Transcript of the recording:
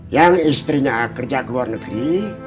yang istrinya kerja ke luar negeri